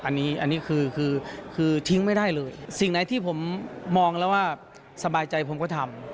อันนี้อันนี้คือคือทิ้งไม่ได้เลยสิ่งไหนที่ผมมองแล้วว่าสบายใจผมก็ทำ